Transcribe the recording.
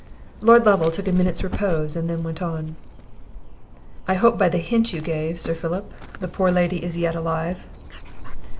Lord Lovel took a minute's repose, and then went on. "I hope by the hint you gave, Sir Philip, the poor lady is yet alive?"